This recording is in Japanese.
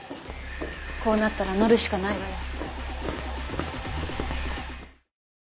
こうなったら乗るしかないわよ。